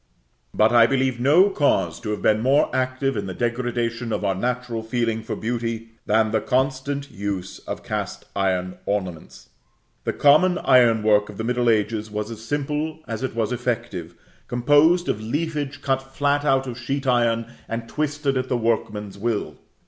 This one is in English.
But I believe no cause to have been more active in the degradation of our natural feeling for beauty, than the constant use of cast iron ornaments. The common iron work of the middle ages was as simple as it was effective, composed of leafage cut flat out of sheet iron, and twisted at the workman's will.